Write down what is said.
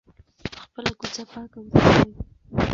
خپله کوڅه پاکه وساتئ.